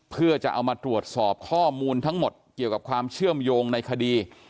เพื่อจะเอามาตรวจสอบข้อมูลทั้งหมดเกี่ยวกับความเชื่อมโยงในคดี